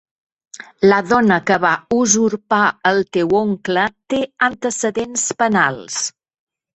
La dona que va usurpar el teu oncle té antecedents penals.